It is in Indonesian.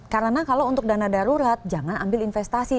karena kalau untuk dana darurat jangan ambil investasi